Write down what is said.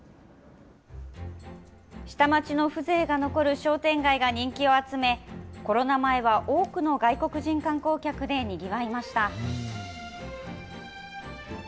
下町の風情が残る商店街が人気を集め、コロナ前は多くの外国人観光客でにぎわいました。